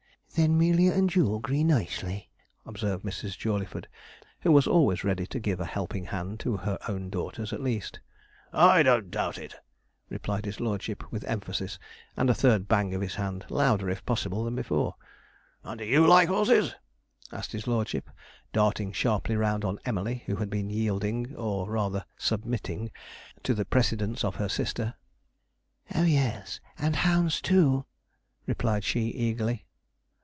'Then 'Melia and you'll 'gree nicely,' observed Mrs. Jawleyford, who was always ready to give a helping hand to her own daughters, at least. 'I don't doubt it!' replied his lordship, with emphasis, and a third bang of his hand, louder if possible than before. 'And do you like horses?' asked his lordship, darting sharply round on Emily, who had been yielding, or rather submitting, to the precedence of her sister. 'Oh yes; and hounds, too!' replied she eagerly.